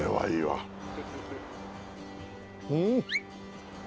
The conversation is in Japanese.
うん